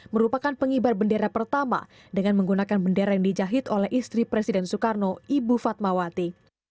merupakan pengibar bendera pertama dengan menggunakan bendera yang dijahit oleh istri presiden soekarno ibu fatmawati